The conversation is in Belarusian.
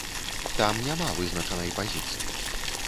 Там няма вызначанай пазіцыі.